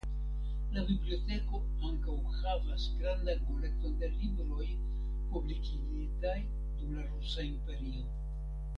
La biblioteko ankaŭ havas grandan kolekton de libroj publikigitaj dum la Rusia Imperio.